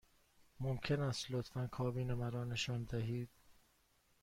ممکن است لطفاً کابین مرا نشانم دهید؟